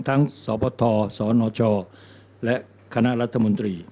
ทั้งสพสนและครม